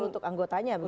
untuk anggotanya begitu ya